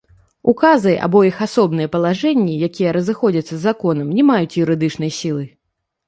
Указы або іх асобныя палажэнні, якія разыходзяцца з законам, не маюць юрыдычнай сілы.